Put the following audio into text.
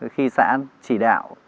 khi xã chỉ đạo